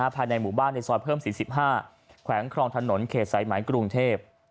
ภายในหมู่บ้านในซอยเพิ่ม๔๕แขวงครองถนนเขตสายไหมกรุงเทพ